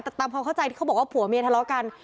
แต่ตามความเข้าใจที่เขาบอกว่าผัวเมียทะเลาะกัน